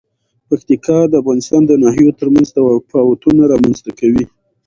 پکتیکا د افغانستان د ناحیو ترمنځ تفاوتونه رامنځ ته کوي.